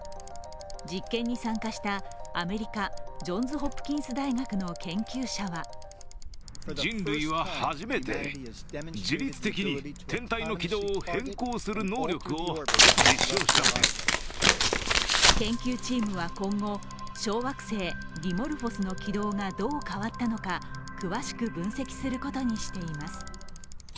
実験に参加したアメリカ、ジョンズ・ホプキンス大学の研究者は研究チームは今後小惑星ディモルフォスの軌道がどう変わったのか、詳しく分析することにしています。